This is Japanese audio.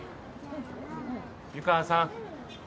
湯川さん